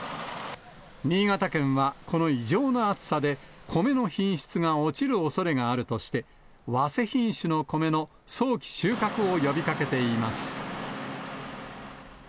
新潟県はこのいじょうなあつさでコメの品質が落ちるおそれがあるとして、早生品種の米の早期収穫を呼びかけています。